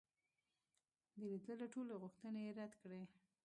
د لیدلو ټولي غوښتني یې رد کړې.